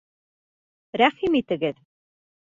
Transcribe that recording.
Рәхим итегеҙ.